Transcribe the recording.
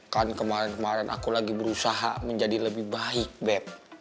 kan kemarin kemarin aku lagi berusaha menjadi lebih baik bep